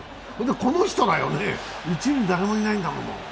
この人だよね、一塁、誰もいないんだもん。